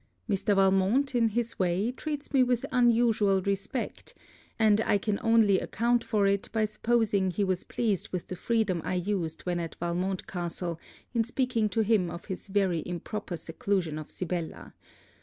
Mr. Valmont, in his way, treats me with unusual respect; and I can only account for it, by supposing he was pleased with the freedom I used when at Valmont castle in speaking to him of his very improper seclusion of Sibella.